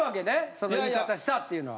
その言い方したっていうのは？